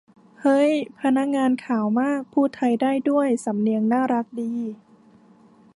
เฮ้ย พนักงานขาวมากพูดไทยได้ด้วย สำเนียงน่ารักดี